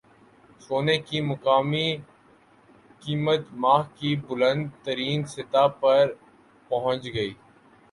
سونے کی مقامی قیمت ماہ کی بلند ترین سطح پر پہنچ گئی